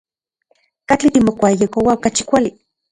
¿Katli timokuayejkoua okachi kuali?